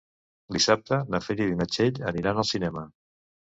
Dissabte na Frida i na Txell aniran al cinema.